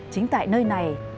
chính tại nơi này